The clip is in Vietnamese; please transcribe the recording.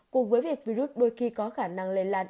cùng với việc virus đôi khi có khả năng lây lan